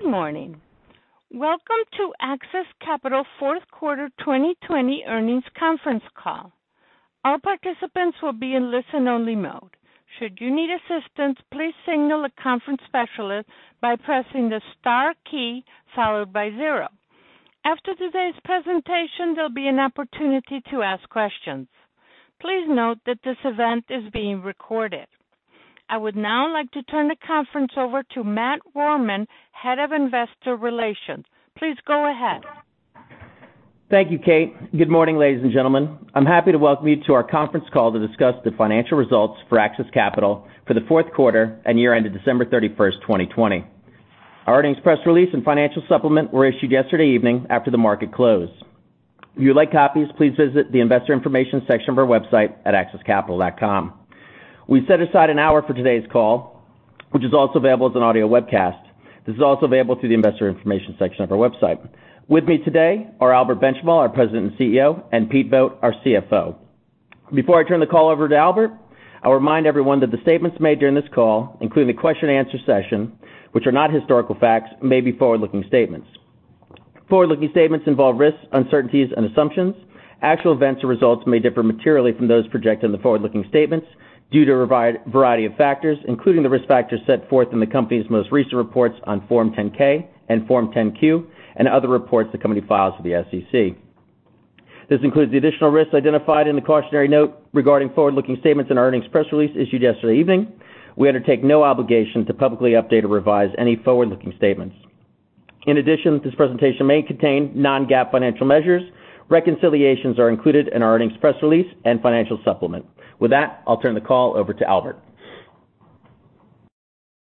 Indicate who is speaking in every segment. Speaker 1: Good morning. Welcome to AXIS Capital fourth quarter 2020 earnings conference call. All participants will be in listen-only mode. Should you need assistance, please signal the conference specialist by pressing the star key followed by zero. After today's presentation, there'll be an opportunity to ask questions. Please note that this event is being recorded. I would now like to turn the conference over to Matt Rohrmann, Head of Investor Relations. Please go ahead.
Speaker 2: Thank you, Kate. Good morning, ladies and gentlemen. I'm happy to welcome you to our conference call to discuss the financial results for AXIS Capital for the fourth quarter and year end of December 31st, 2020. Our earnings press release and financial supplement were issued yesterday evening after the market closed. If you would like copies, please visit the investor information section of our website at axiscapital.com. We set aside an hour for today's call, which is also available as an audio webcast. This is also available through the investor information section of our website. With me today are Albert Benchimol, our President and CEO, and Pete Vogt, our CFO. Before I turn the call over to Albert, I'll remind everyone that the statements made during this call, including the question answer session, which are not historical facts, may be forward-looking statements. Forward-looking statements involve risks, uncertainties, and assumptions. Actual events or results may differ materially from those projected in the forward-looking statements due to a variety of factors, including the risk factors set forth in the company's most recent reports on Form 10-K and Form 10-Q, and other reports the company files with the SEC. This includes the additional risks identified in the cautionary note regarding forward-looking statements in our earnings press release issued yesterday evening. We undertake no obligation to publicly update or revise any forward-looking statements. In addition, this presentation may contain non-GAAP financial measures. Reconciliations are included in our earnings press release and financial supplement. With that, I'll turn the call over to Albert.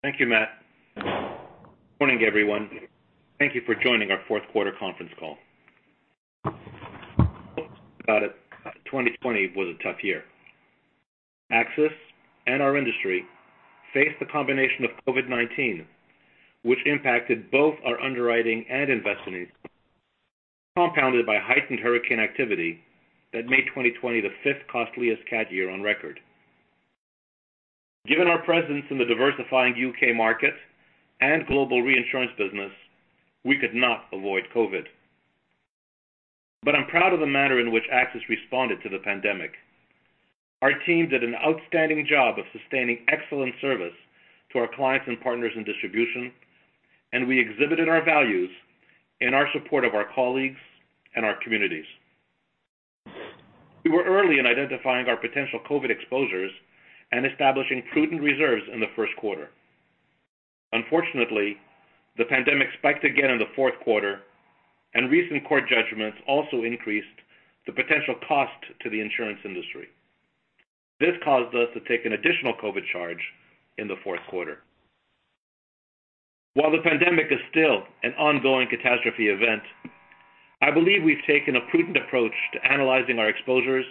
Speaker 3: Thank you, Matt. Morning, everyone. Thank you for joining our fourth quarter conference call. No doubt that 2020 was a tough year. AXIS and our industry faced the combination of COVID-19, which impacted both our underwriting and investment, compounded by heightened hurricane activity that made 2020 the fifth costliest cat year on record. Given our presence in the diversifying U.K. market and global reinsurance business, we could not avoid COVID. I'm proud of the manner in which AXIS responded to the pandemic. Our team did an outstanding job of sustaining excellent service to our clients and partners in distribution, and we exhibited our values in our support of our colleagues and our communities. We were early in identifying our potential COVID exposures and establishing prudent reserves in the first quarter. Unfortunately, the pandemic spiked again in the fourth quarter, and recent court judgments also increased the potential cost to the insurance industry. This caused us to take an additional COVID charge in the fourth quarter. While the pandemic is still an ongoing catastrophe event, I believe we've taken a prudent approach to analyzing our exposures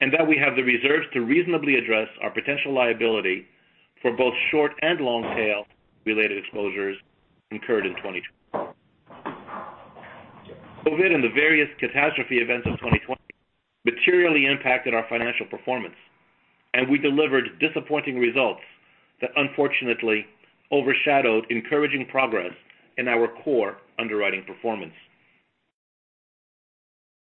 Speaker 3: and that we have the reserves to reasonably address our potential liability for both short and long tail related exposures incurred in 2020. COVID and the various catastrophe events of 2020 materially impacted our financial performance, and we delivered disappointing results that unfortunately overshadowed encouraging progress in our core underwriting performance.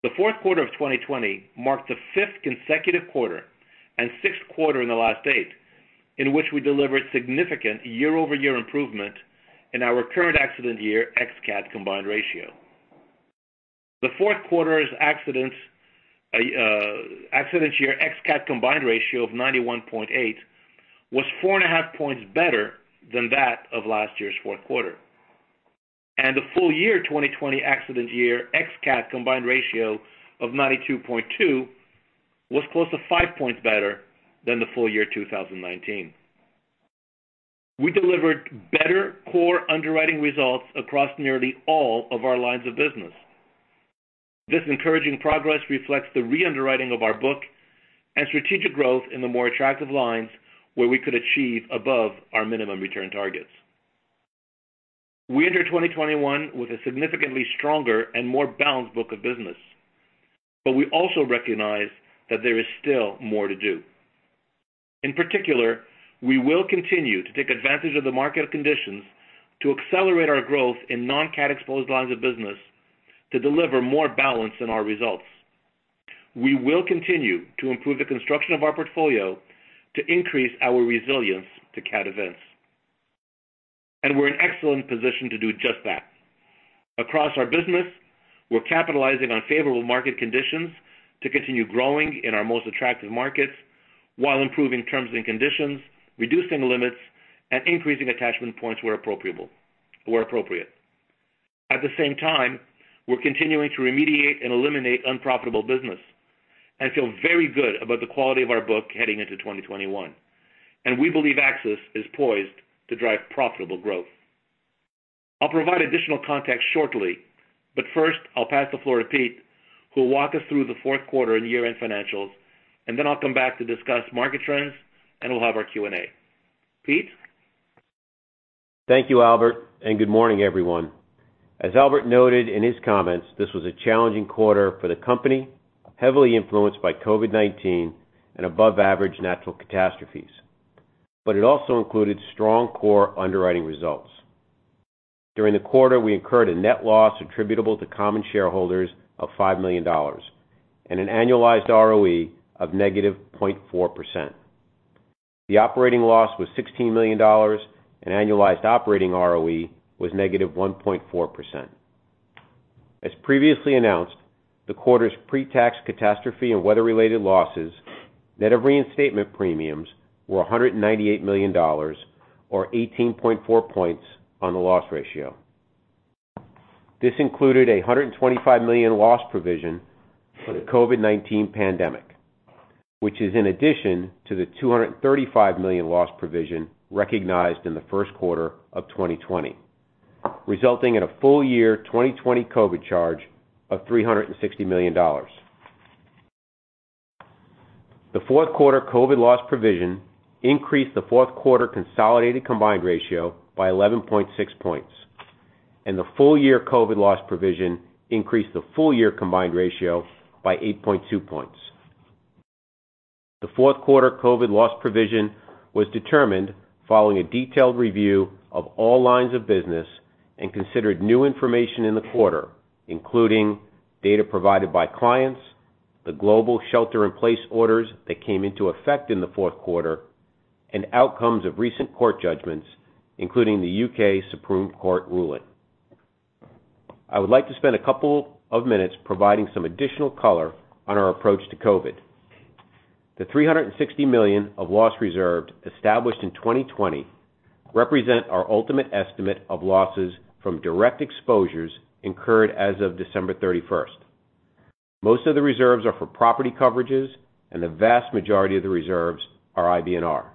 Speaker 3: The fourth quarter of 2020 marked the fifth consecutive quarter and sixth quarter in the last eight in which we delivered significant year-over-year improvement in our current accident year ex-CAT combined ratio. The fourth quarter's accident year ex-CAT combined ratio of 91.8 was four and a half points better than that of last year's fourth quarter. The full year 2020 accident year ex-CAT combined ratio of 92.2 was close to five points better than the full year 2019. We delivered better core underwriting results across nearly all of our lines of business. This encouraging progress reflects the re-underwriting of our book and strategic growth in the more attractive lines where we could achieve above our minimum return targets. We enter 2021 with a significantly stronger and more balanced book of business, we also recognize that there is still more to do. In particular, we will continue to take advantage of the market conditions to accelerate our growth in non-CAT exposed lines of business to deliver more balance in our results. We will continue to improve the construction of our portfolio to increase our resilience to CAT events. We're in excellent position to do just that. Across our business, we're capitalizing on favorable market conditions to continue growing in our most attractive markets while improving terms and conditions, reducing limits, and increasing attachment points where appropriate. At the same time, we're continuing to remediate and eliminate unprofitable business and feel very good about the quality of our book heading into 2021. We believe AXIS is poised to drive profitable growth. I'll provide additional context shortly, first, I'll pass the floor to Pete, who will walk us through the fourth quarter and year-end financials, then I'll come back to discuss market trends, we'll have our Q&A. Pete?
Speaker 4: Thank you, Albert, good morning, everyone As Albert noted in his comments, this was a challenging quarter for the company, heavily influenced by COVID-19 and above-average natural catastrophes. It also included strong core underwriting results. During the quarter, we incurred a net loss attributable to common shareholders of $5 million and an annualized ROE of negative 0.4%. The operating loss was $16 million, and annualized operating ROE was negative 1.4%. As previously announced, the quarter's pre-tax catastrophe and weather-related losses, net of reinstatement premiums, were $198 million or 18.4 points on the loss ratio. This included a $125 million loss provision for the COVID-19 pandemic, which is in addition to the $235 million loss provision recognized in the first quarter of 2020, resulting in a full-year 2020 COVID charge of $360 million. The fourth quarter COVID loss provision increased the fourth quarter consolidated combined ratio by 11.6 points, and the full-year COVID loss provision increased the full-year combined ratio by 8.2 points. The fourth quarter COVID loss provision was determined following a detailed review of all lines of business and considered new information in the quarter, including data provided by clients, the global shelter-in-place orders that came into effect in the fourth quarter, and outcomes of recent court judgments, including the U.K. Supreme Court ruling. I would like to spend a couple of minutes providing some additional color on our approach to COVID. The $360 million of loss reserved established in 2020 represent our ultimate estimate of losses from direct exposures incurred as of December 31st. Most of the reserves are for property coverages, and the vast majority of the reserves are IBNR.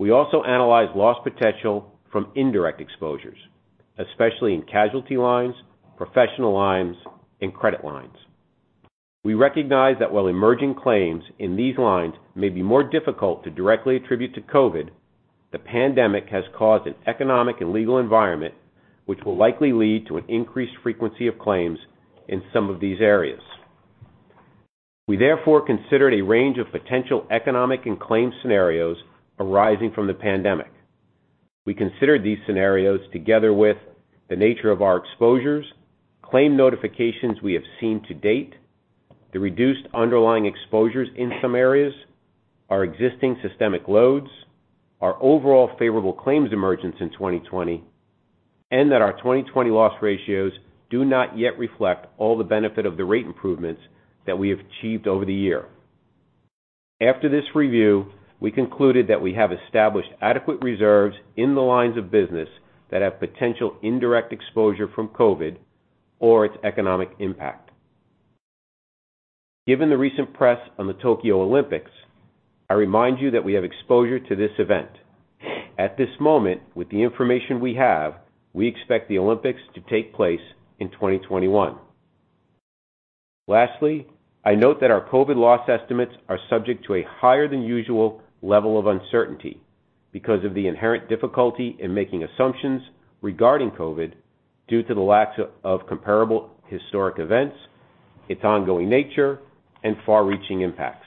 Speaker 4: We also analyze loss potential from indirect exposures, especially in casualty lines, professional lines, and credit lines. We recognize that while emerging claims in these lines may be more difficult to directly attribute to COVID, the pandemic has caused an economic and legal environment which will likely lead to an increased frequency of claims in some of these areas. We therefore considered a range of potential economic and claims scenarios arising from the pandemic. We considered these scenarios together with the nature of our exposures, claim notifications we have seen to date, the reduced underlying exposures in some areas, our existing systemic loads, our overall favorable claims emergence in 2020, and that our 2020 loss ratios do not yet reflect all the benefit of the rate improvements that we have achieved over the year. After this review, we concluded that we have established adequate reserves in the lines of business that have potential indirect exposure from COVID or its economic impact. Given the recent press on the Tokyo Olympics, I remind you that we have exposure to this event. At this moment, with the information we have, we expect the Olympics to take place in 2021. Lastly, I note that our COVID loss estimates are subject to a higher than usual level of uncertainty because of the inherent difficulty in making assumptions regarding COVID due to the lack of comparable historic events, its ongoing nature, and far-reaching impacts.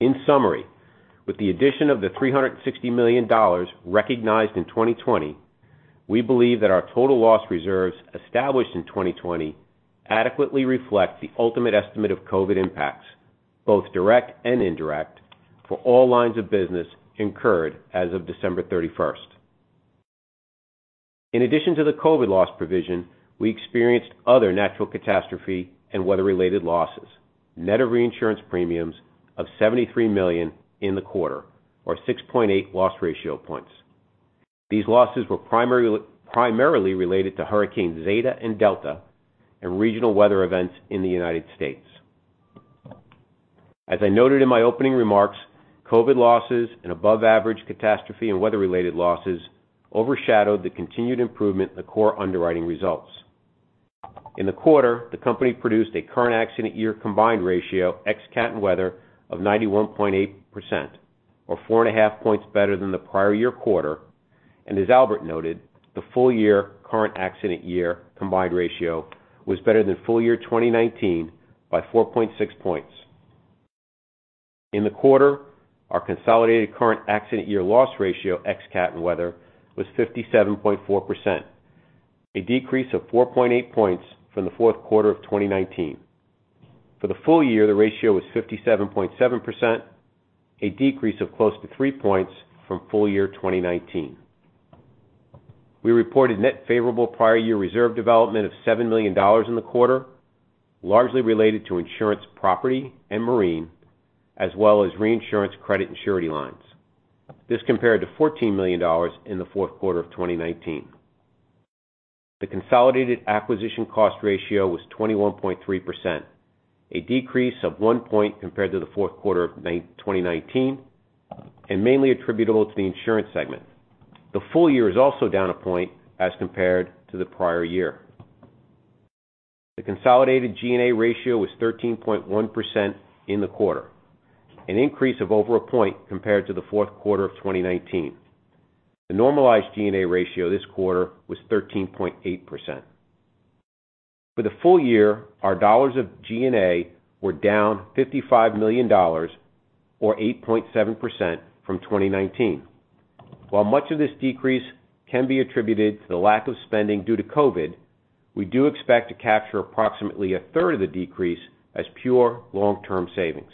Speaker 4: In summary, with the addition of the $360 million recognized in 2020, we believe that our total loss reserves established in 2020 adequately reflect the ultimate estimate of COVID impacts, both direct and indirect, for all lines of business incurred as of December 31st. In addition to the COVID loss provision, we experienced other natural catastrophe and weather-related losses, net of reinsurance premiums of $73 million in the quarter, or 6.8 loss ratio points. These losses were primarily related to Hurricane Zeta and Hurricane Delta and regional weather events in the U.S. As I noted in my opening remarks, COVID losses and above-average catastrophe and weather-related losses overshadowed the continued improvement in the core underwriting results. In the quarter, the company produced a current accident year combined ratio, ex-CAT and weather, of 91.8%, or 4.5 points better than the prior year quarter. As Albert noted, the full-year current accident year combined ratio was better than full-year 2019 by 4.6 points. In the quarter, our consolidated current accident year loss ratio, ex-CAT and weather, was 57.4%, a decrease of 4.8 points from the fourth quarter of 2019. For the full year, the ratio was 57.7%, a decrease of close to 3 points from full-year 2019. We reported net favorable prior year reserve development of $7 million in the quarter, largely related to insurance property and marine, as well as reinsurance credit and surety lines. This compared to $14 million in the fourth quarter of 2019. The consolidated acquisition cost ratio was 21.3%, a decrease of 1 point compared to the fourth quarter of 2019, and mainly attributable to the insurance segment. The full year is also down 1 point as compared to the prior year. The consolidated G&A ratio was 13.1% in the quarter, an increase of over 1 point compared to the fourth quarter of 2019. The normalized G&A ratio this quarter was 13.8%. For the full year, our dollars of G&A were down $55 million, or 8.7% from 2019. While much of this decrease can be attributed to the lack of spending due to COVID, we do expect to capture approximately a third of the decrease as pure long-term savings.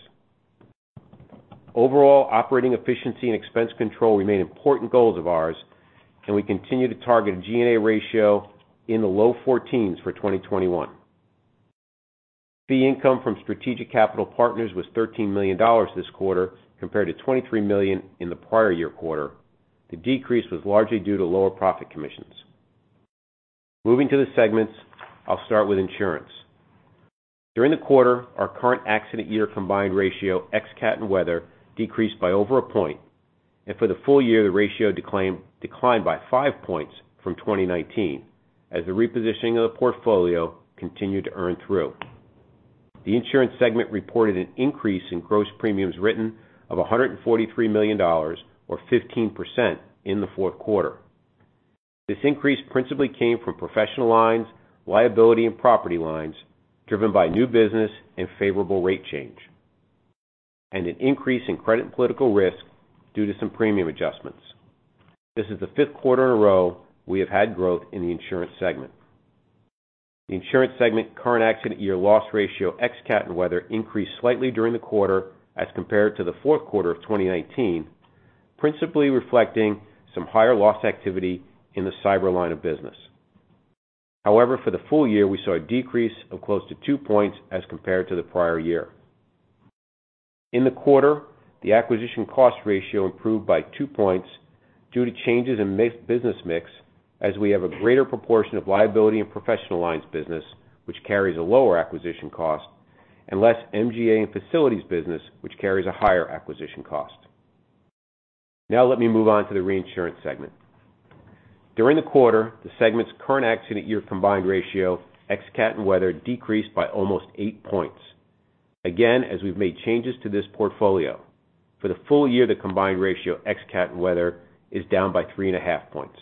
Speaker 4: Overall, operating efficiency and expense control remain important goals of ours, and we continue to target a G&A ratio in the low 14s for 2021. Fee income from strategic capital partners was $13 million this quarter, compared to $23 million in the prior year quarter. The decrease was largely due to lower profit commissions. Moving to the segments, I'll start with insurance. During the quarter, our current accident year combined ratio, ex-CAT and weather, decreased by over 1 point. For the full year, the ratio declined by 5 points from 2019 as the repositioning of the portfolio continued to earn through. The insurance segment reported an increase in gross premiums written of $143 million or 15% in the fourth quarter. This increase principally came from professional lines, liability, and property lines, driven by new business and favorable rate change, and an increase in credit and political risk due to some premium adjustments. This is the fifth quarter in a row we have had growth in the insurance segment. The insurance segment current accident year loss ratio, ex-CAT and weather, increased slightly during the quarter as compared to the fourth quarter of 2019, principally reflecting some higher loss activity in the cyber line of business. However, for the full year, we saw a decrease of close to 2 points as compared to the prior year. In the quarter, the acquisition cost ratio improved by two points due to changes in business mix, as we have a greater proportion of liability and professional lines business, which carries a lower acquisition cost, and less MGA and facilities business, which carries a higher acquisition cost. Now let me move on to the reinsurance segment. During the quarter, the segment's current accident year combined ratio, ex-CAT and weather, decreased by almost eight points. Again, as we've made changes to this portfolio. For the full year, the combined ratio, ex-CAT and weather, is down by three and a half points.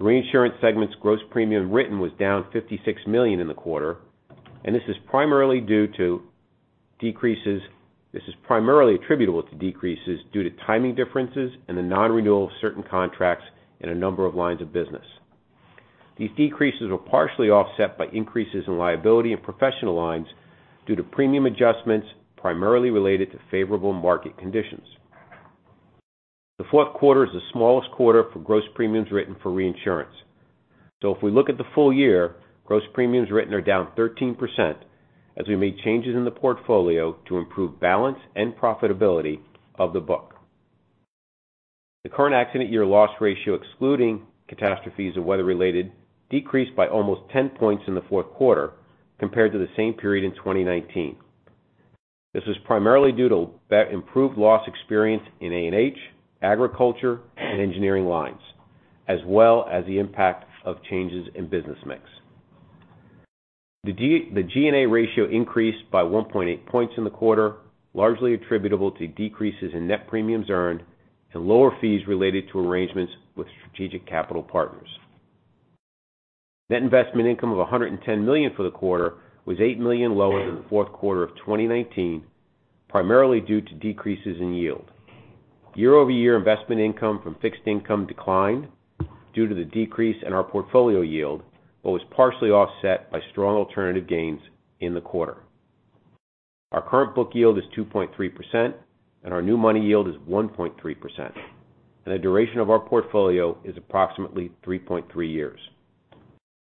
Speaker 4: Reinsurance segment's gross premium written was down $56 million in the quarter, and this is primarily attributable to decreases due to timing differences and the non-renewal of certain contracts in a number of lines of business. These decreases were partially offset by increases in liability and professional lines due to premium adjustments primarily related to favorable market conditions. The fourth quarter is the smallest quarter for gross premiums written for reinsurance. If we look at the full year, gross premiums written are down 13% as we made changes in the portfolio to improve balance and profitability of the book. The current accident year loss ratio, excluding catastrophes or weather-related, decreased by almost 10 points in the fourth quarter compared to the same period in 2019. This was primarily due to improved loss experience in A&H, agriculture, and engineering lines, as well as the impact of changes in business mix. The G&A ratio increased by 1.8 points in the quarter, largely attributable to decreases in net premiums earned and lower fees related to arrangements with strategic capital partners. Net investment income of $110 million for the quarter was $8 million lower than the fourth quarter of 2019, primarily due to decreases in yield. Year-over-year investment income from fixed income declined due to the decrease in our portfolio yield, but was partially offset by strong alternative gains in the quarter. Our current book yield is 2.3%, and our new money yield is 1.3%, and the duration of our portfolio is approximately 3.3 years.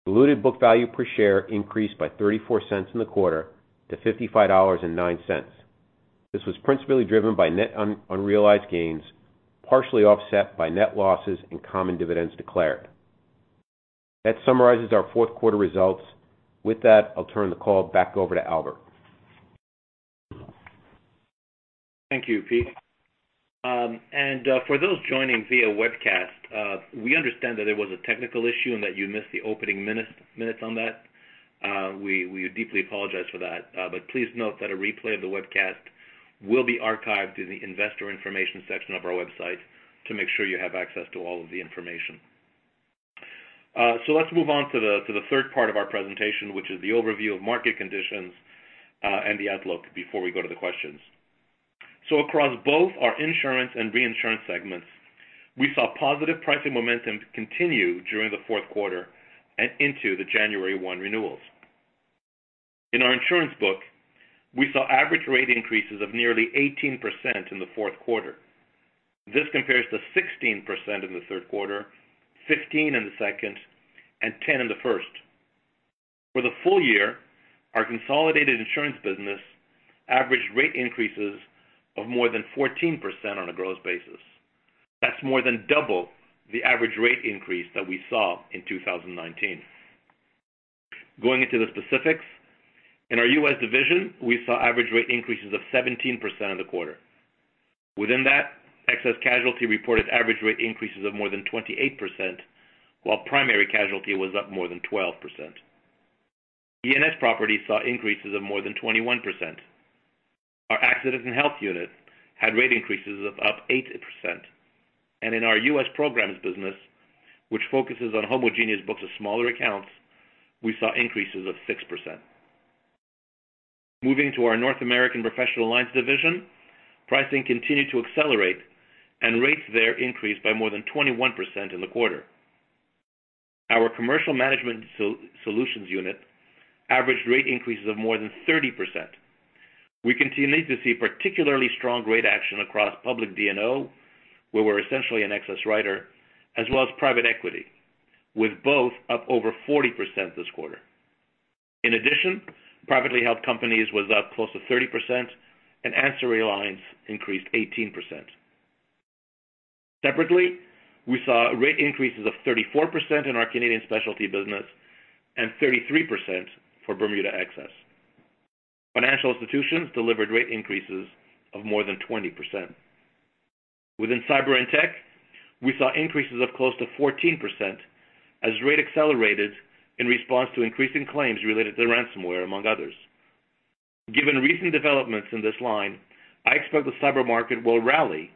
Speaker 4: Diluted book value per share increased by $0.34 in the quarter to $55.09. This was principally driven by net unrealized gains, partially offset by net losses and common dividends declared. That summarizes our fourth quarter results. With that, I'll turn the call back over to Albert.
Speaker 3: Thank you, Pete. For those joining via webcast, we understand that there was a technical issue and that you missed the opening minutes on that. We deeply apologize for that. Please note that a replay of the webcast will be archived in the investor information section of our website to make sure you have access to all of the information. Let's move on to the third part of our presentation, which is the overview of market conditions and the outlook before we go to the questions. Across both our insurance and reinsurance segments, we saw positive pricing momentum continue during the fourth quarter and into the January one renewals. In our insurance book, we saw average rate increases of nearly 18% in the fourth quarter. This compares to 16% in the third quarter, 15% in the second, and 10% in the first. For the full year, our consolidated insurance business averaged rate increases of more than 14% on a gross basis. That's more than double the average rate increase that we saw in 2019. Going into the specifics, in our U.S. division, we saw average rate increases of 17% in the quarter. Within that, excess casualty reported average rate increases of more than 28%, while primary casualty was up more than 12%. E&S property saw increases of more than 21%. Our accident and health unit had rate increases of up 80%. In our U.S. programs business, which focuses on homogeneous books of smaller accounts, we saw increases of 6%. Moving to our North American professional lines division, pricing continued to accelerate and rates there increased by more than 21% in the quarter. Our commercial management solutions unit, average rate increases of more than 30%. We continue to see particularly strong rate action across public D&O, where we're essentially an excess writer, as well as private equity, with both up over 40% this quarter. In addition, privately held companies was up close to 30%, and ancillary lines increased 18%. Separately, we saw rate increases of 34% in our Canadian specialty business and 33% for Bermuda excess. Financial institutions delivered rate increases of more than 20%. Within cyber and tech, we saw increases of close to 14% as rate accelerated in response to increasing claims related to ransomware, among others. Given recent developments in this line, I expect the cyber market will rally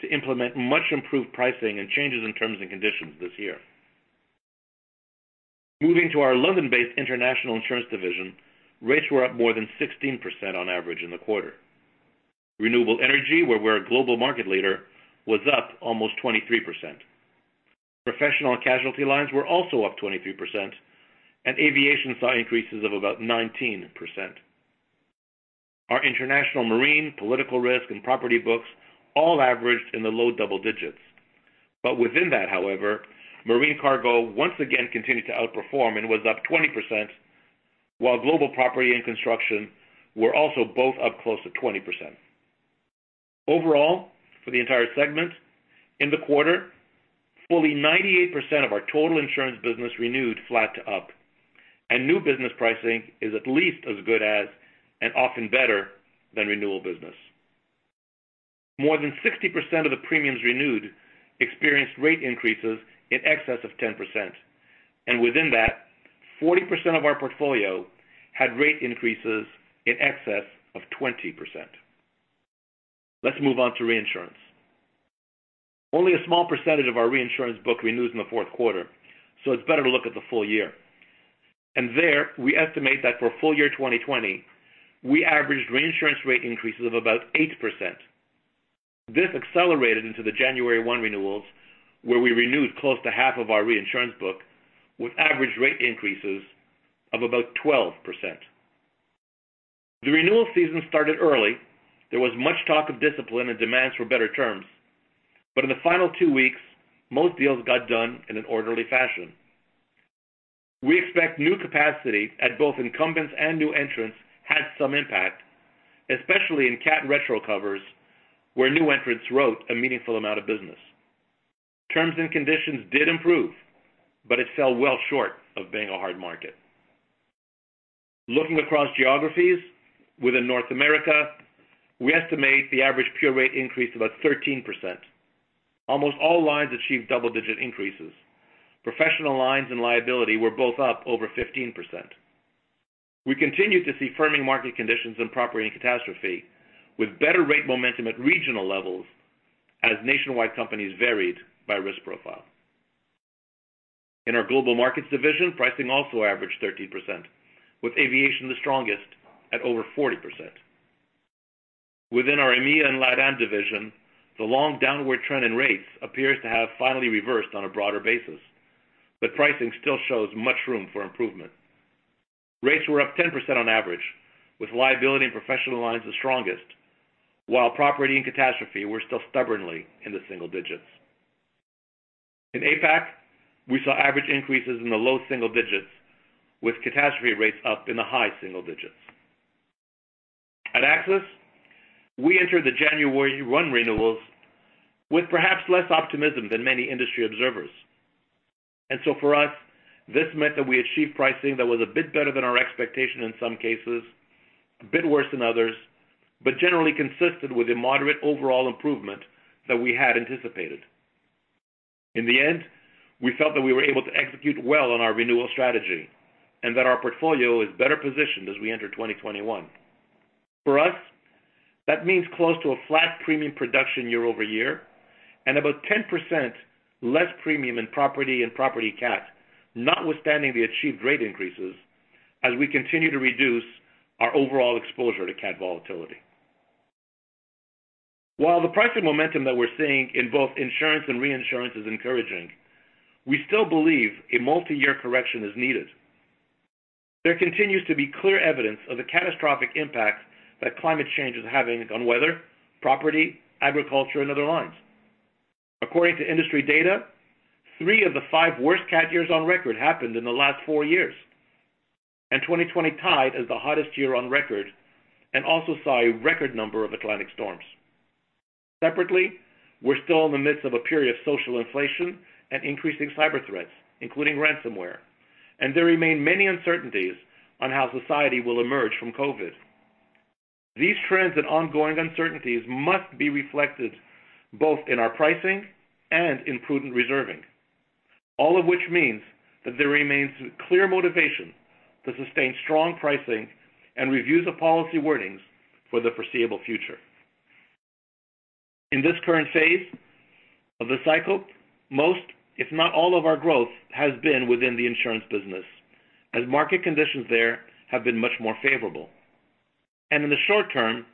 Speaker 3: to implement much improved pricing and changes in terms and conditions this year. Moving to our London-based international insurance division, rates were up more than 16% on average in the quarter. Renewable energy, where we're a global market leader, was up almost 23%. Professional and casualty lines were also up 23%, and aviation saw increases of about 19%. Our international marine, political risk, and property books all averaged in the low double digits. But within that, however, marine cargo once again continued to outperform and was up 20%, while global property and construction were also both up close to 20%. Overall, for the entire segment, in the quarter, fully 98% of our total insurance business renewed flat to up, and new business pricing is at least as good as, and often better than renewal business. More than 60% of the premiums renewed experienced rate increases in excess of 10%, and within that, 40% of our portfolio had rate increases in excess of 20%. Let's move on to reinsurance. Only a small percentage of our reinsurance book renews in the fourth quarter, so it's better to look at the full year. There we estimate that for full year 2020, we averaged reinsurance rate increases of about 8%. This accelerated into the January one renewals, where we renewed close to half of our reinsurance book with average rate increases of about 12%. The renewal season started early. There was much talk of discipline and demands for better terms. In the final two weeks, most deals got done in an orderly fashion. We expect new capacity at both incumbents and new entrants had some impact, especially in cat retro covers, where new entrants wrote a meaningful amount of business. Terms and conditions did improve, but it fell well short of being a hard market. Looking across geographies within North America, we estimate the average pure rate increase about 13%. Almost all lines achieved double-digit increases. Professional lines and liability were both up over 15%. We continued to see firming market conditions in property and catastrophe, with better rate momentum at regional levels as nationwide companies varied by risk profile. Our global markets division, pricing also averaged 13%, with aviation the strongest at over 40%. Within our EMEA and LATAM division, the long downward trend in rates appears to have finally reversed on a broader basis. Pricing still shows much room for improvement. Rates were up 10% on average, with liability and professional lines the strongest, while property and catastrophe were still stubbornly in the single digits. In APAC, we saw average increases in the low single digits, with catastrophe rates up in the high single digits. At AXIS, we entered the January one renewals with perhaps less optimism than many industry observers. For us, this meant that we achieved pricing that was a bit better than our expectation in some cases, a bit worse than others. Generally consistent with the moderate overall improvement that we had anticipated. In the end, we felt that we were able to execute well on our renewal strategy and that our portfolio is better positioned as we enter 2021. For us, that means close to a flat premium production year-over-year and about 10% less premium in property and property cat, notwithstanding the achieved rate increases, as we continue to reduce our overall exposure to cat volatility. While the pricing momentum that we're seeing in both insurance and reinsurance is encouraging, we still believe a multi-year correction is needed. There continues to be clear evidence of the catastrophic impact that climate change is having on weather, property, agriculture, and other lines. According to industry data, three of the five worst cat years on record happened in the last four years. 2020 tied as the hottest year on record and also saw a record number of Atlantic storms. Separately, we're still in the midst of a period of social inflation and increasing cyber threats, including ransomware. There remain many uncertainties on how society will emerge from COVID. These trends and ongoing uncertainties must be reflected both in our pricing and in prudent reserving. All of which means that there remains clear motivation to sustain strong pricing and reviews of policy wordings for the foreseeable future. In this current phase of the cycle, most, if not all of our growth has been within the insurance business, as market conditions there have been much more favorable. In the short term,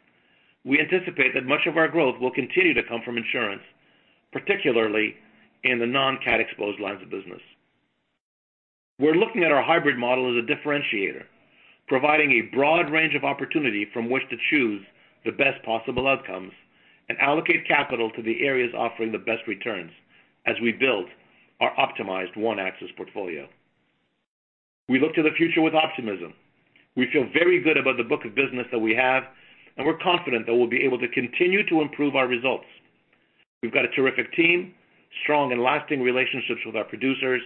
Speaker 3: we anticipate that much of our growth will continue to come from insurance, particularly in the non-cat exposed lines of business. We're looking at our hybrid model as a differentiator, providing a broad range of opportunity from which to choose the best possible outcomes and allocate capital to the areas offering the best returns as we build our optimized One AXIS portfolio. We look to the future with optimism. We feel very good about the book of business that we have. We're confident that we'll be able to continue to improve our results. We've got a terrific team, strong and lasting relationships with our producers.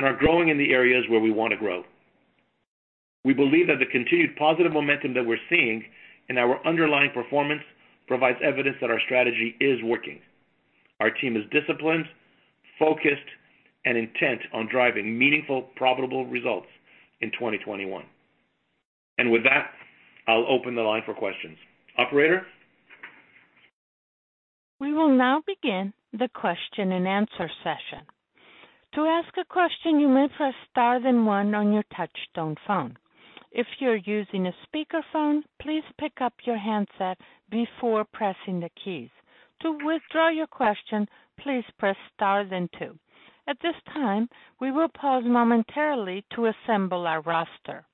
Speaker 3: Are growing in the areas where we want to grow. We believe that the continued positive momentum that we're seeing in our underlying performance provides evidence that our strategy is working. Our team is disciplined, focused, and intent on driving meaningful, profitable results in 2021. With that, I'll open the line for questions. Operator?
Speaker 1: We will now begin the question and answer session. To ask a question, you may press star then one on your touchtone phone. If you're using a speakerphone, please pick up your handset before pressing the keys. To withdraw your question, please press star then two. At this time, we will pause momentarily to assemble our roster.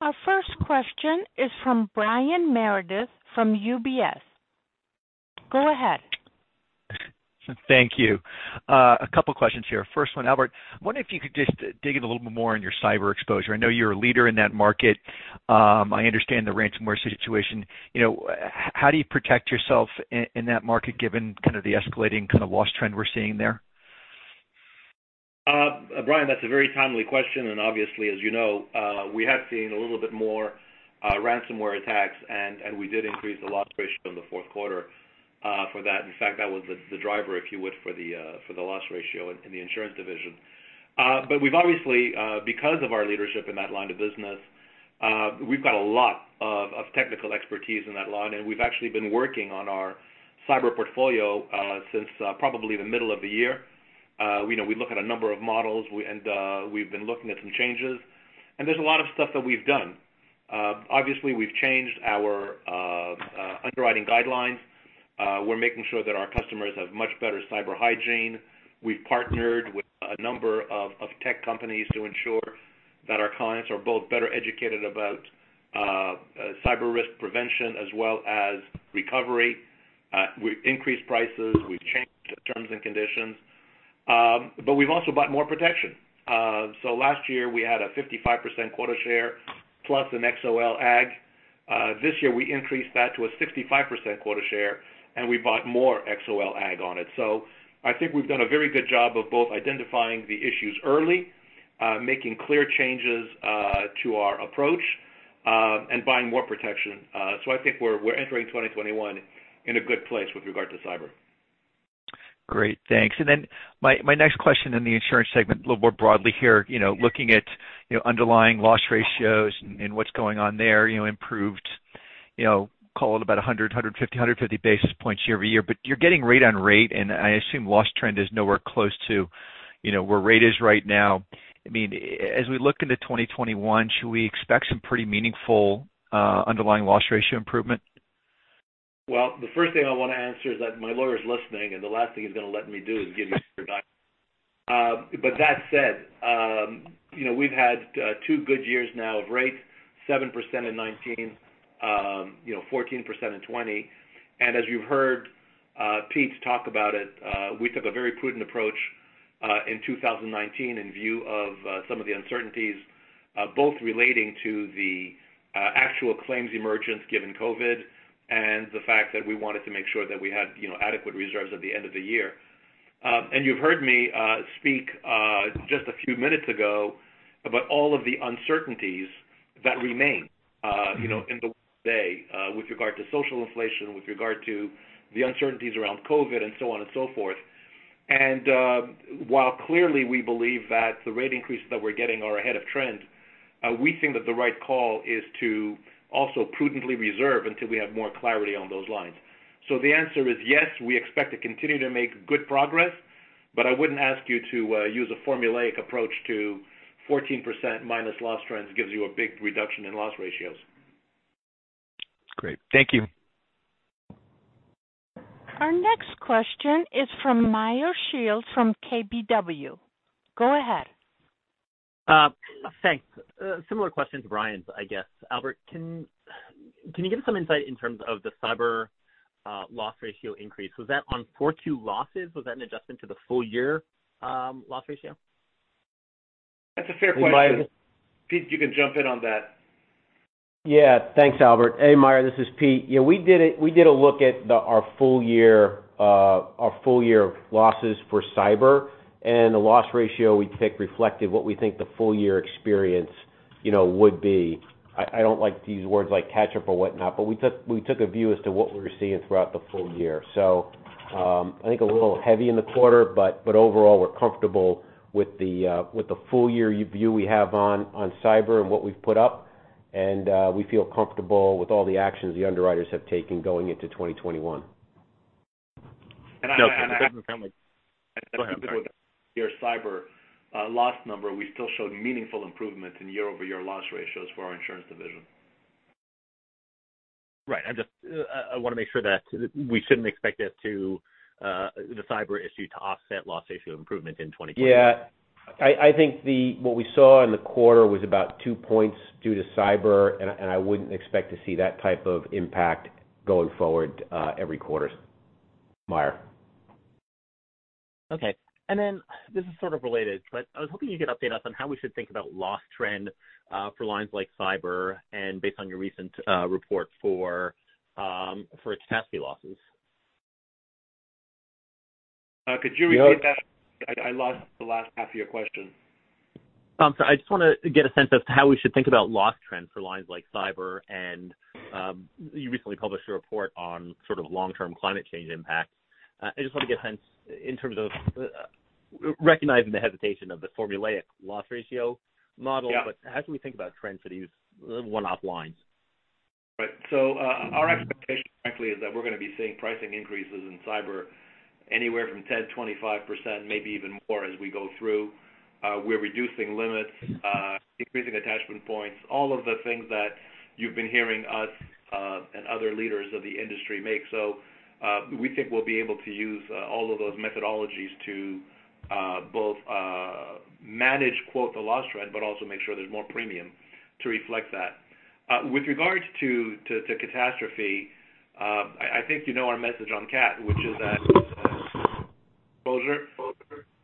Speaker 1: Our first question is from Brian Meredith from UBS. Go ahead.
Speaker 5: Thank you. A couple questions here. First one, Albert, wondering if you could just dig in a little bit more on your cyber exposure. I know you're a leader in that market. I understand the ransomware situation. How do you protect yourself in that market given kind of the escalating kind of loss trend we're seeing there?
Speaker 3: Brian, that's a very timely question. Obviously, as you know, we have seen a little bit more ransomware attacks, we did increase the loss ratio in the fourth quarter for that. In fact, that was the driver, if you would, for the loss ratio in the insurance division. We've obviously, because of our leadership in that line of business, we've got a lot of technical expertise in that line, we've actually been working on our cyber portfolio since probably the middle of the year. We look at a number of models, we've been looking at some changes, there's a lot of stuff that we've done. Obviously, we've changed our underwriting guidelines. We're making sure that our customers have much better cyber hygiene. We've partnered with a number of tech companies to ensure that our clients are both better educated about cyber risk prevention as well as recovery. We've increased prices. We've changed terms and conditions. We've also bought more protection. Last year, we had a 55% quota share plus an XOL Aggregate. This year, we increased that to a 65% quota share, and we bought more XOL Aggregate on it. I think we've done a very good job of both identifying the issues early, making clear changes to our approach, and buying more protection. I think we're entering 2021 in a good place with regard to cyber.
Speaker 5: Great. Thanks. My next question in the insurance segment a little more broadly here, looking at underlying loss ratios and what's going on there, improved call it about 100, 150 basis points year-over-year. You're getting rate on rate, and I assume loss trend is nowhere close to where rate is right now. As we look into 2021, should we expect some pretty meaningful underlying loss ratio improvement?
Speaker 3: Well, the first thing I want to answer is that my lawyer's listening, and the last thing he's going to let me do is give you. That said, we've had two good years now of rate, 7% in 2019, 14% in 2020. As you've heard Pete talk about it, we took a very prudent approach, in 2019 in view of some of the uncertainties, both relating to the actual claims emergence given COVID and the fact that we wanted to make sure that we had adequate reserves at the end of the year. You've heard me speak just a few minutes ago about all of the uncertainties that remain in the day with regard to social inflation, with regard to the uncertainties around COVID, and so on and so forth. While clearly we believe that the rate increases that we're getting are ahead of trend, we think that the right call is to also prudently reserve until we have more clarity on those lines. The answer is yes, we expect to continue to make good progress, but I wouldn't ask you to use a formulaic approach to 14% minus loss trends gives you a big reduction in loss ratios.
Speaker 5: Great. Thank you.
Speaker 1: Our next question is from Meyer Shields from KBW. Go ahead.
Speaker 6: Thanks. Similar question to Brian's, I guess. Albert, can you give us some insight in terms of the cyber loss ratio increase? Was that on Q4 losses? Was that an adjustment to the full year loss ratio?
Speaker 3: That's a fair question. Pete, you can jump in on that.
Speaker 4: Thanks, Albert. Hey, Meyer, this is Pete. We did a look at our full year losses for cyber, and the loss ratio we take reflected what we think the full year experience would be. I don't like to use words like catch-up or whatnot, but we took a view as to what we were seeing throughout the full year. I think a little heavy in the quarter, but overall, we're comfortable with the full year view we have on cyber and what we've put up. We feel comfortable with all the actions the underwriters have taken going into 2021.
Speaker 3: And I-
Speaker 6: I think we can comment. Go ahead, sorry.
Speaker 3: Your cyber loss number, we still showed meaningful improvement in year-over-year loss ratios for our insurance division.
Speaker 6: Right. I want to make sure that we shouldn't expect the cyber issue to offset loss ratio improvement in 2021.
Speaker 4: Yeah. I think what we saw in the quarter was about two points due to cyber, and I wouldn't expect to see that type of impact going forward every quarter, Meyer.
Speaker 6: Okay. This is sort of related, but I was hoping you could update us on how we should think about loss trend for lines like cyber and based on your recent report for catastrophe losses.
Speaker 3: Could you repeat that? I lost the last half of your question.
Speaker 6: I'm sorry. I just want to get a sense of how we should think about loss trends for lines like cyber and, you recently published a report on long-term climate change impact. I just want to get a sense in terms of recognizing the hesitation of the formulaic loss ratio model
Speaker 3: Yeah
Speaker 6: How should we think about trends for these one-off lines?
Speaker 3: Right. Our expectation, frankly, is that we're going to be seeing pricing increases in cyber anywhere from 10%-25%, maybe even more as we go through. We're reducing limits, increasing attachment points, all of the things that you've been hearing us, and other leaders of the industry make. We think we'll be able to use all of those methodologies to both manage, quote, the loss trend, but also make sure there's more premium to reflect that. With regards to catastrophe, I think you know our message on cat, which is that exposure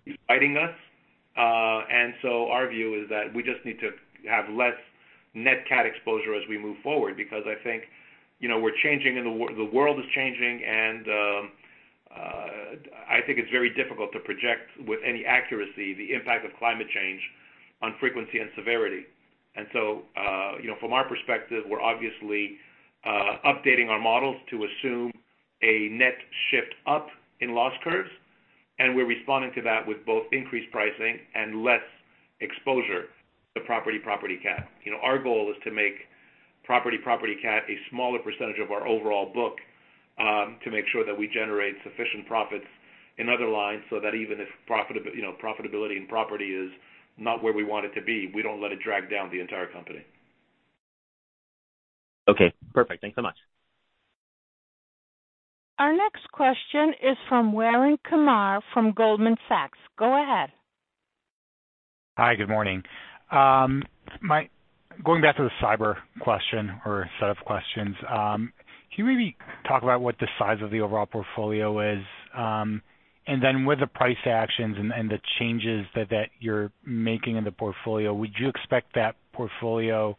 Speaker 3: is biting us. Our view is that we just need to have less net cat exposure as we move forward because I think the world is changing and I think it's very difficult to project with any accuracy the impact of climate change on frequency and severity. From our perspective, we're obviously updating our models to assume a net shift up in loss curves, and we're responding to that with both increased pricing and less exposure to property cat. Our goal is to make property cat a smaller % of our overall book to make sure that we generate sufficient profits in other lines so that even if profitability in property is not where we want it to be, we don't let it drag down the entire company.
Speaker 6: Okay, perfect. Thanks so much.
Speaker 1: Our next question is from Yaron Kinar from Goldman Sachs. Go ahead.
Speaker 7: Hi, good morning. Going back to the cyber question or set of questions, can you maybe talk about what the size of the overall portfolio is, then with the price actions and the changes that you're making in the portfolio, would you expect that portfolio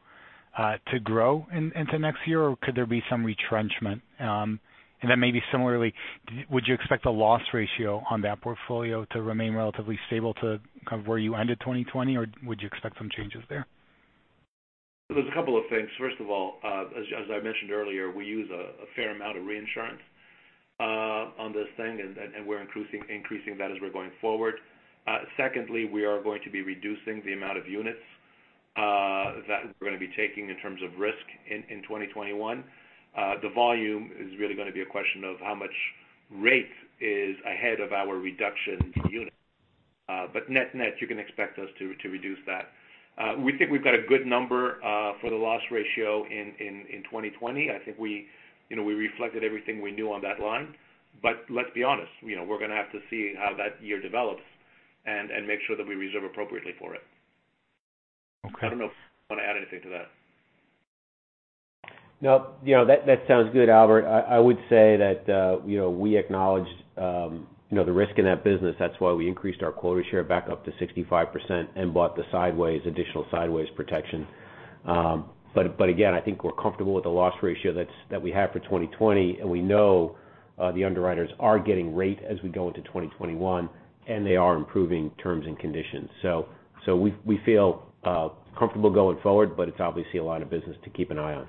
Speaker 7: to grow into next year, or could there be some retrenchment? Then maybe similarly, would you expect the loss ratio on that portfolio to remain relatively stable to where you ended 2020, or would you expect some changes there?
Speaker 3: There's a couple of things. First of all, as I mentioned earlier, we use a fair amount of reinsurance on this thing, and we're increasing that as we're going forward. Secondly, we are going to be reducing the amount of units that we're going to be taking in terms of risk in 2021. The volume is really going to be a question of how much rate is ahead of our reduction in units. Net, you can expect us to reduce that. We think we've got a good number for the loss ratio in 2020. I think we reflected everything we knew on that line. Let's be honest, we're going to have to see how that year develops and make sure that we reserve appropriately for it.
Speaker 7: Okay.
Speaker 3: I don't know if you want to add anything to that.
Speaker 4: No, that sounds good, Albert. I would say that we acknowledge the risk in that business. That's why we increased our quota share back up to 65% and bought the additional sideways protection. Again, I think we're comfortable with the loss ratio that we have for 2020, and we know the underwriters are getting rate as we go into 2021, and they are improving terms and conditions. We feel comfortable going forward, but it's obviously a lot of business to keep an eye on.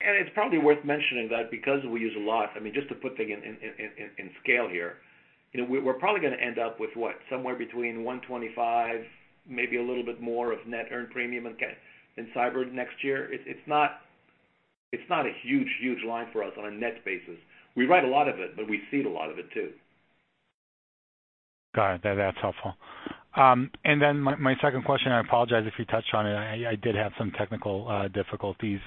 Speaker 3: It's probably worth mentioning that because we use a lot, just to put things in scale here, we're probably going to end up with what? Somewhere between $125, maybe a little bit more of net earned premium in cyber next year. It's not a huge line for us on a net basis. We write a lot of it, but we cede a lot of it, too.
Speaker 7: Got it. That's helpful. Then my second question, I apologize if you touched on it. I did have some technical difficulties.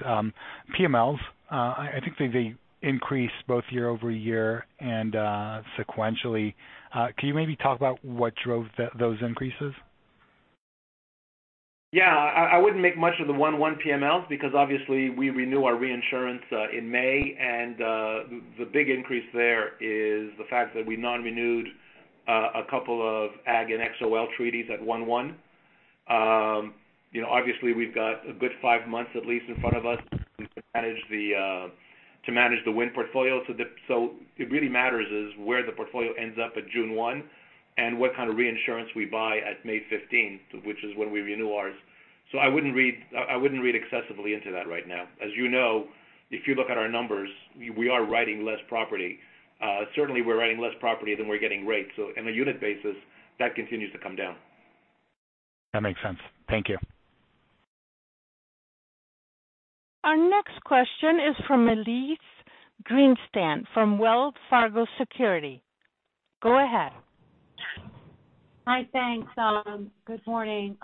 Speaker 7: PMLs. I think they increased both year-over-year and sequentially. Can you maybe talk about what drove those increases?
Speaker 3: I wouldn't make much of the 1/1 PMLs because obviously we renew our reinsurance in May, the big increase there is the fact that we non-renewed a couple of ag and XOL treaties at 1/1. Obviously, we've got a good five months at least in front of us to manage the wind portfolio. What really matters is where the portfolio ends up at June 1 and what kind of reinsurance we buy at May 15, which is when we renew ours. I wouldn't read excessively into that right now. As you know, if you look at our numbers, we are writing less property. Certainly, we're writing less property than we're getting rates. On a unit basis, that continues to come down.
Speaker 7: That makes sense. Thank you.
Speaker 1: Our next question is from Elyse Greenspan from Wells Fargo Securities. Go ahead.
Speaker 8: Hi, thanks. Good morning.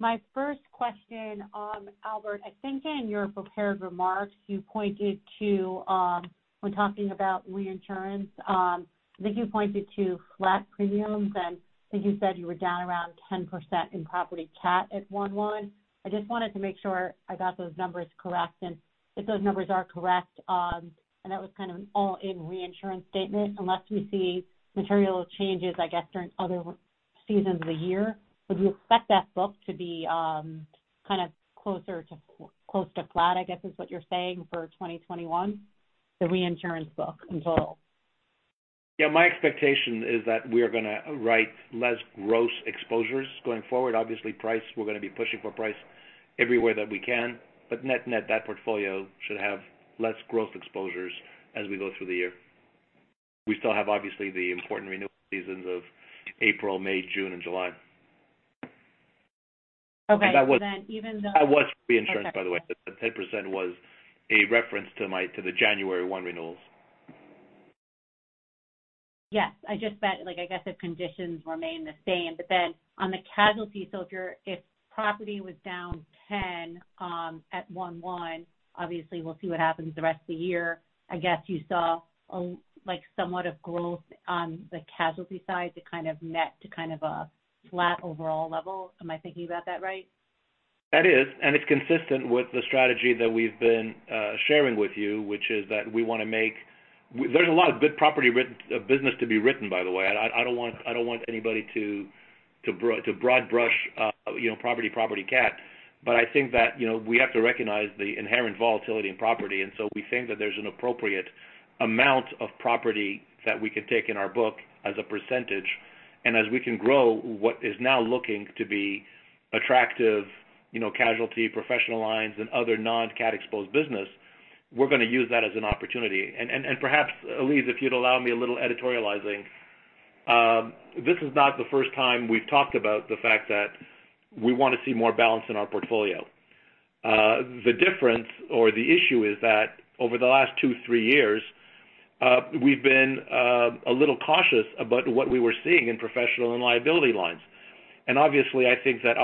Speaker 8: My first question, Albert, I think in your prepared remarks, when talking about reinsurance, I think you pointed to flat premiums, and I think you said you were down around 10% in property CAT at 1/1. I just wanted to make sure I got those numbers correct, and if those numbers are correct, and that was kind of an all-in reinsurance statement, unless we see material changes, I guess, during other seasons of the year, would you expect that book to be closer to flat, I guess is what you're saying, for 2021, the reinsurance book in total?
Speaker 3: Yeah, my expectation is that we are going to write less gross exposures going forward. Obviously, price, we're going to be pushing for price everywhere that we can. Net net, that portfolio should have less gross exposures as we go through the year. We still have, obviously, the important renewal seasons of April, May, June, and July.
Speaker 8: Okay.
Speaker 3: That was reinsurance, by the way. The 10% was a reference to the January 1 renewals.
Speaker 8: Yes. I just meant, I guess if conditions remain the same. On the casualty, if property was down 10% at 1/1, obviously, we'll see what happens the rest of the year. I guess you saw somewhat of growth on the casualty side to kind of net to kind of a flat overall level. Am I thinking about that right?
Speaker 3: That is, it's consistent with the strategy that we've been sharing with you, which is that There's a lot of good property business to be written, by the way. I don't want anybody to broad brush property CAT. I think that we have to recognize the inherent volatility in property, we think that there's an appropriate amount of property that we can take in our book as a percentage. As we can grow what is now looking to be attractive casualty, professional lines, and other non-CAT exposed business, we're going to use that as an opportunity. Perhaps, Elyse, if you'd allow me a little editorializing, this is not the first time we've talked about the fact that we want to see more balance in our portfolio. The difference or the issue is that over the last two, three years, we've been a little cautious about what we were seeing in professional and liability lines. Obviously, I think that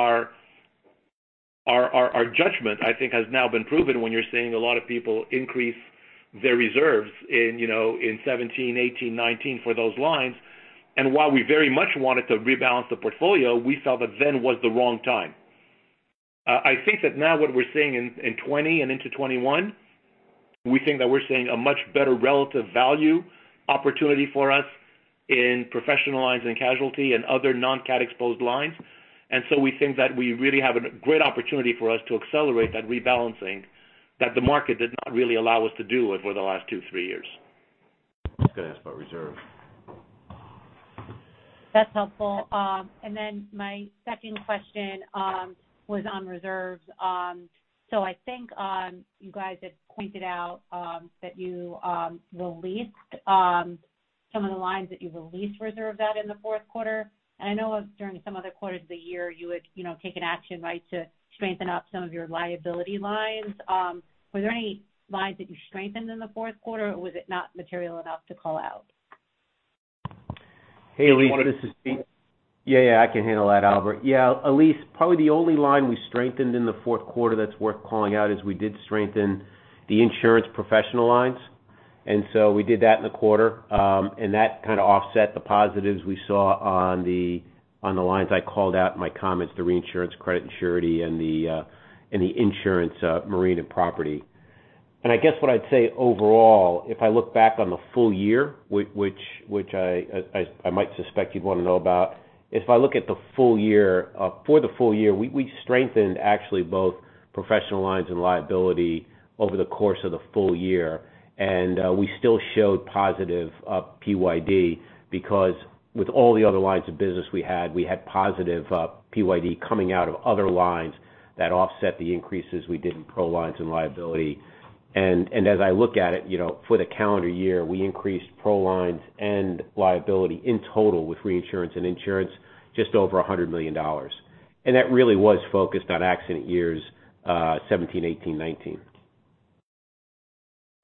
Speaker 3: our judgment, I think, has now been proven when you're seeing a lot of people increase their reserves in 2017, 2018, 2019 for those lines. While we very much wanted to rebalance the portfolio, we saw that then was the wrong time. I think that now what we're seeing in 2020 and into 2021, we think that we're seeing a much better relative value opportunity for us in professional lines and casualty and other non-CAT exposed lines. We think that we really have a great opportunity for us to accelerate that rebalancing that the market did not really allow us to do over the last two, three years.
Speaker 9: I was going to ask about reserve.
Speaker 8: That's helpful. Then my second question was on reserves. I think you guys had pointed out that you released some of the lines that you released reserve at in the fourth quarter. I know during some other quarters of the year, you had taken action to strengthen up some of your liability lines. Were there any lines that you strengthened in the fourth quarter, or was it not material enough to call out?
Speaker 3: Hey, Elyse.
Speaker 4: You want to- Yeah, I can handle that, Albert. Yeah, Elyse, probably the only line we strengthened in the fourth quarter that's worth calling out is we did strengthen the insurance professional lines. So we did that in the quarter, and that kind of offset the positives we saw on the lines I called out in my comments, the reinsurance credit and surety and the insurance marine and property. I guess what I'd say overall, if I look back on the full year, which I might suspect you'd want to know about, if I look at the full year, for the full year, we strengthened actually both professional lines and liability over the course of the full year.
Speaker 3: We still showed positive PYD because with all the other lines of business we had, we had positive PYD coming out of other lines that offset the increases we did in pro lines and liability. As I look at it, for the calendar year, we increased pro lines and liability in total with reinsurance and insurance just over $100 million. That really was focused on accident years 2017, 2018, 2019.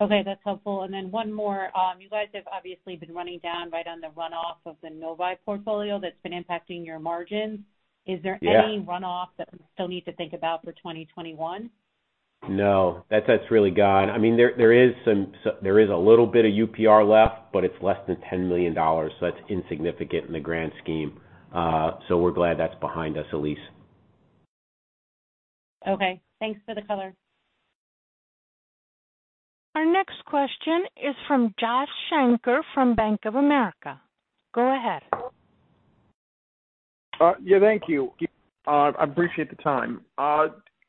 Speaker 8: Okay, that's helpful. One more. You guys have obviously been running down on the runoff of the Novae portfolio that's been impacting your margins.
Speaker 3: Yeah.
Speaker 8: Is there any runoff that we still need to think about for 2021?
Speaker 4: No. That's really gone. There is a little bit of UPR left, but it's less than $10 million, that's insignificant in the grand scheme. We're glad that's behind us, Elyse.
Speaker 8: Okay. Thanks for the color.
Speaker 1: Our next question is from Josh Shanker from Bank of America. Go ahead.
Speaker 10: Yeah, thank you. I appreciate the time.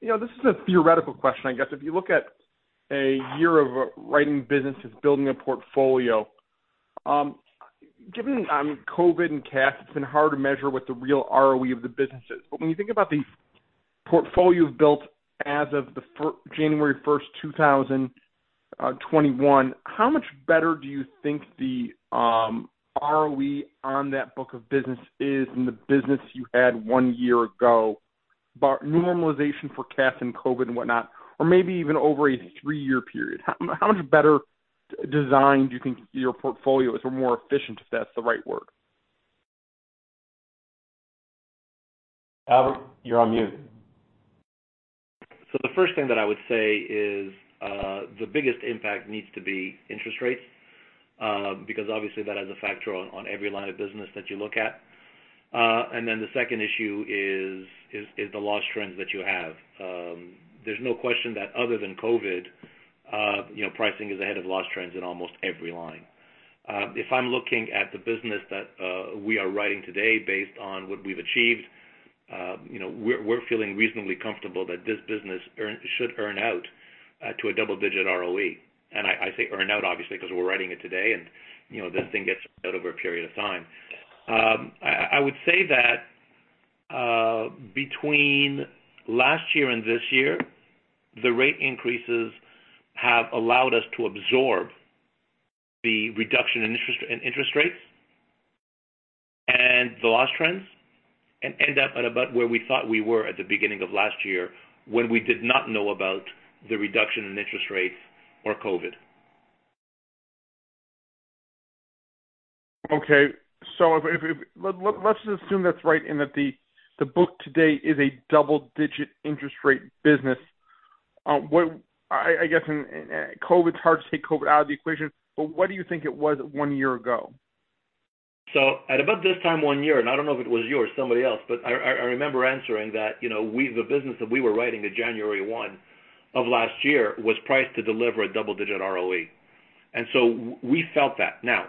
Speaker 10: This is a theoretical question, I guess. If you look at a year of writing businesses, building a portfolio, given COVID and CAT, it's been hard to measure what the real ROE of the business is. When you think about the portfolio you've built as of January 1st, 2021, how much better do you think the ROE on that book of business is than the business you had one year ago, normalization for CAT and COVID and whatnot? Maybe even over a three-year period, how much better designed do you think your portfolio is, or more efficient, if that's the right word?
Speaker 4: Albert, you're on mute.
Speaker 3: The first thing that I would say is, the biggest impact needs to be interest rates, because obviously that has a factor on every line of business that you look at. Then the second issue is the loss trends that you have. There's no question that other than COVID, pricing is ahead of loss trends in almost every line. If I'm looking at the business that we are writing today based on what we've achieved, we're feeling reasonably comfortable that this business should earn out to a double-digit ROE. I say earn out, obviously, because we're writing it today, and this thing gets earned out over a period of time. I would say that between last year and this year, the rate increases have allowed us to absorb the reduction in interest rates and the loss trends, and end up at about where we thought we were at the beginning of last year, when we did not know about the reduction in interest rates or COVID.
Speaker 10: Okay. Let's just assume that's right and that the book today is a double-digit interest rate business. It's hard to take COVID out of the equation, but what do you think it was one year ago?
Speaker 3: At about this time one year ago, and I don't know if it was you or somebody else, but I remember answering that the business that we were writing to January 1 of last year was priced to deliver a double-digit ROE. We felt that. Now,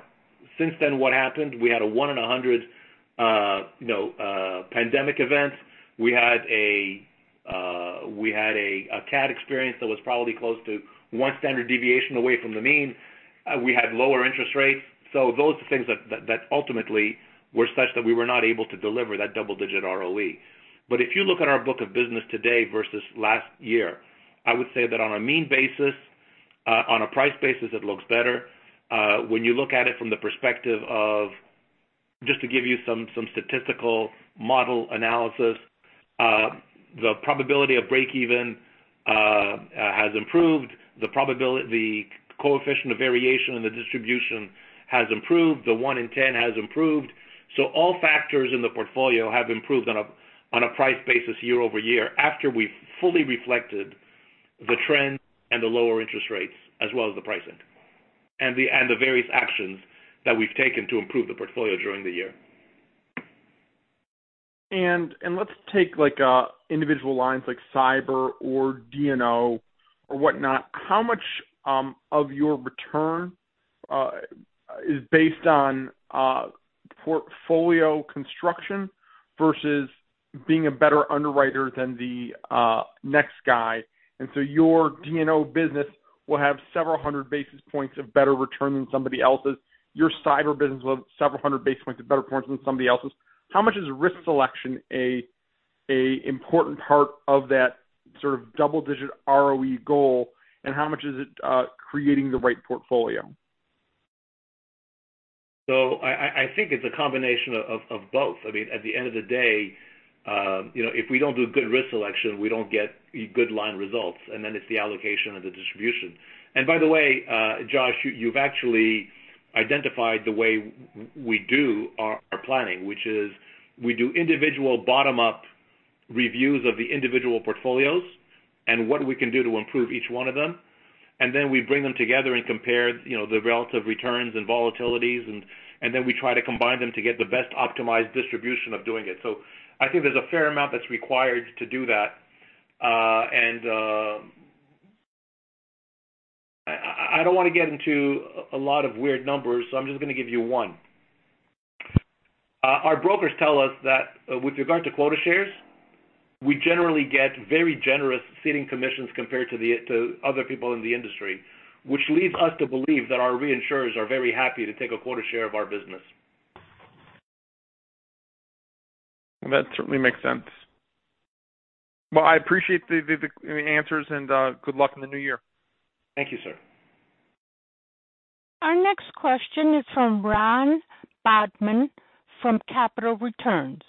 Speaker 3: since then, what happened? We had a one in 100 pandemic event. We had a CAT experience that was probably close to one standard deviation away from the mean. We had lower interest rates. Those are the things that ultimately were such that we were not able to deliver that double-digit ROE. If you look at our book of business today versus last year, I would say that on a mean basis, on a price basis, it looks better. When you look at it from the perspective of, just to give you some statistical model analysis, the probability of break even has improved. The coefficient of variation in the distribution has improved. The one in 10 has improved. All factors in the portfolio have improved on a price basis year-over-year, after we've fully reflected the trend and the lower interest rates as well as the pricing, and the various actions that we've taken to improve the portfolio during the year.
Speaker 10: Let's take individual lines like cyber or D&O or whatnot. How much of your return is based on portfolio construction versus being a better underwriter than the next guy? Your D&O business will have several hundred basis points of better return than somebody else's. Your cyber business will have several hundred basis points of better points than somebody else's. How much is risk selection an important part of that sort of double-digit ROE goal, and how much is it creating the right portfolio?
Speaker 3: I think it's a combination of both. At the end of the day, if we don't do good risk selection, we don't get good line results, and then it's the allocation and the distribution. By the way, Josh, you've actually identified the way we do our planning, which is we do individual bottom-up reviews of the individual portfolios and what we can do to improve each one of them, and then we bring them together and compare the relative returns and volatilities, and then we try to combine them to get the best optimized distribution of doing it. I think there's a fair amount that's required to do that. I don't want to get into a lot of weird numbers, so I'm just going to give you one. Our brokers tell us that with regard to quota shares, we generally get very generous ceding commissions compared to other people in the industry, which leads us to believe that our reinsurers are very happy to take a quota share of our business.
Speaker 10: That certainly makes sense. Well, I appreciate the answers. Good luck in the new year.
Speaker 3: Thank you, sir.
Speaker 1: Our next question is from Ron Bobman from Capital Returns.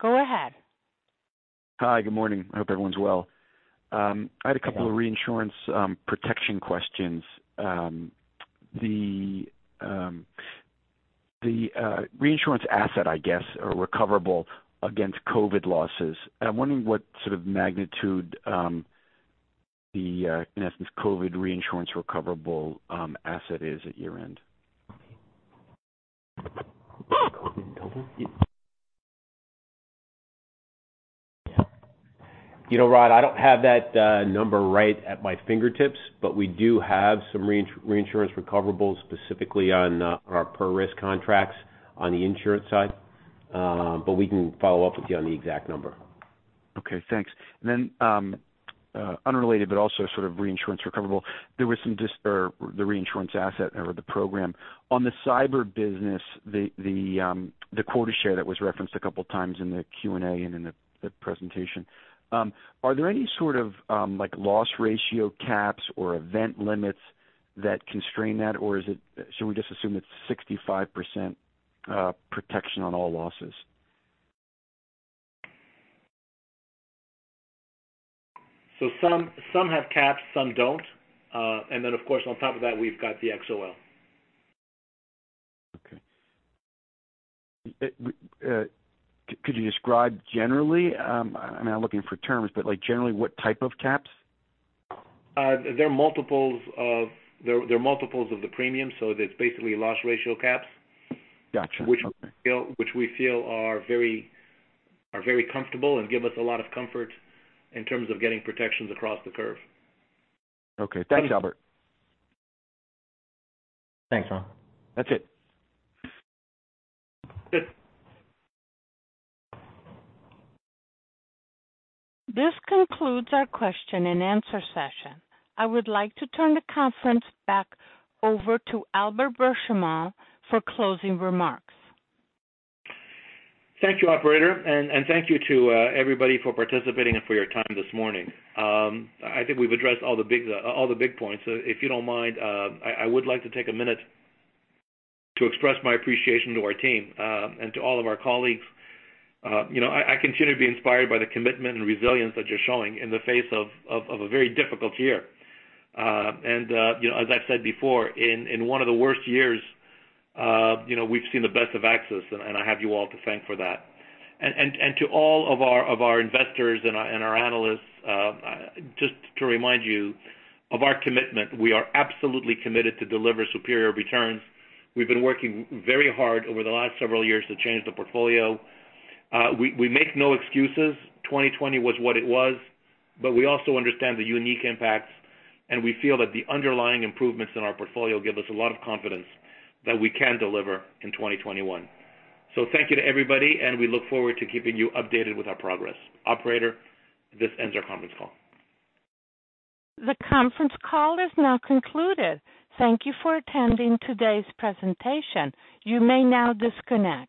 Speaker 1: Go ahead.
Speaker 11: Hi, good morning. I hope everyone's well.
Speaker 3: Good morning.
Speaker 11: I had a couple of reinsurance protection questions. The reinsurance asset, I guess, are recoverable against COVID losses. I'm wondering what sort of magnitude the, in essence, COVID reinsurance recoverable asset is at year-end.
Speaker 4: COVID recoverable?
Speaker 3: You know, Ron, I don't have that number right at my fingertips, but we do have some reinsurance recoverables specifically on our per-risk contracts on the insurance side. We can follow up with you on the exact number.
Speaker 11: Okay, thanks. Then, unrelated, but also sort of reinsurance recoverable. There was some or the reinsurance asset or the program. On the cyber business, the quota share that was referenced a couple times in the Q&A and in the presentation, are there any sort of loss ratio caps or event limits that constrain that or should we just assume it's 65% protection on all losses?
Speaker 3: Some have caps, some don't. Then, of course, on top of that, we've got the XOL.
Speaker 11: Okay. Could you describe generally, I'm not looking for terms, but generally what type of caps?
Speaker 3: They're multiples of the premium, so it's basically loss ratio caps.
Speaker 11: Got you. Okay.
Speaker 3: which we feel are very comfortable and give us a lot of comfort in terms of getting protections across the curve.
Speaker 11: Okay. Thanks, Albert.
Speaker 3: Thanks, Ron.
Speaker 11: That's it.
Speaker 3: That's it.
Speaker 1: This concludes our question and answer session. I would like to turn the conference back over to Albert Benchimol for closing remarks.
Speaker 3: Thank you, operator, thank you to everybody for participating and for your time this morning. I think we've addressed all the big points. If you don't mind, I would like to take a minute to express my appreciation to our team and to all of our colleagues. I continue to be inspired by the commitment and resilience that you're showing in the face of a very difficult year. As I've said before, in one of the worst years, we've seen the best of AXIS, and I have you all to thank for that. To all of our investors and our analysts, just to remind you of our commitment, we are absolutely committed to deliver superior returns. We've been working very hard over the last several years to change the portfolio. We make no excuses. 2020 was what it was, we also understand the unique impacts, we feel that the underlying improvements in our portfolio give us a lot of confidence that we can deliver in 2021. Thank you to everybody, we look forward to keeping you updated with our progress. Operator, this ends our conference call.
Speaker 1: The conference call is now concluded. Thank you for attending today's presentation. You may now disconnect.